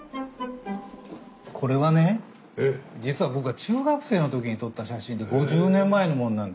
これはね実は僕が中学生の時に撮った写真で５０年前のものなんですけど。